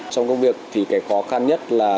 trong công việc thì cái khó khăn nhất là